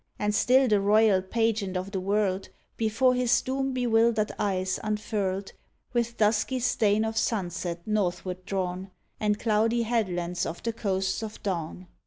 And still the royal pageant of the world Before his doom bewildered eyes unfurled, With dusky stain of sunsets northward drawn And cloudy headlands of the coasts of dawn.